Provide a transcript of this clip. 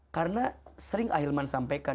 karena sering ahilman sampaikan